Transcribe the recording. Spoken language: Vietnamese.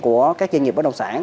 của các doanh nghiệp bất đồng sản